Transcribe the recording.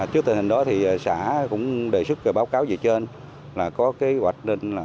trước tình hình đó xã cũng đề xuất báo cáo về trên là có hoạch tên là